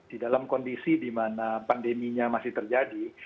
di dalam kondisi dimana pandeminya masih terjadi